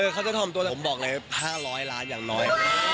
เขาจะทำตัวไหนผมบอกเลย๕๐๐ล้านอย่างน้อย